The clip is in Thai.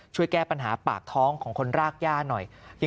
ช่วยแก้ปัญหาปากท้องของคนรากย่าหน่อย